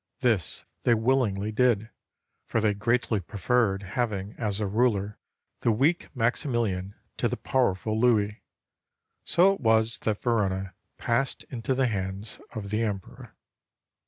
This they willingly did, for they greatly preferred ha\ang as a ruler the weak Maximilian to the powerful Louis. So it was that Verona passed into the hands of the Emperor.